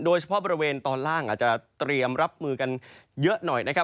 โดยเฉพาะบริเวณตอนล่างอาจจะเตรียมรับมือกันเยอะหน่อยนะครับ